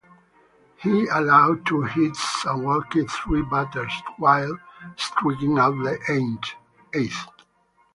He allowed two hits and walked three batters while striking out eight.